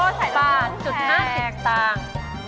สายน้ำผึ้นแพง